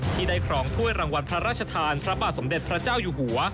ที่ได้ครองถ้วยรางวัลพระราชทานพระบาทสมเด็จพระเจ้าอยู่หัว